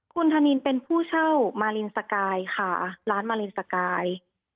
คุณธนินเป็นผู้เช่ามารินสกายค่ะร้านมารินสกาย